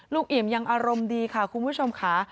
เอี่ยมยังอารมณ์ดีค่ะคุณผู้ชมค่ะ